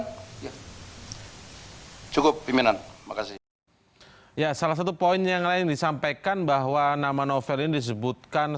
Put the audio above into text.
hai cukup pimpinan makasih ya salah satu poin yang lain disampaikan bahwa nama novel ini disebutkan